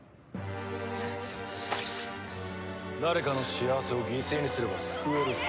誰かの幸せを犠牲にすれば救えるぞ。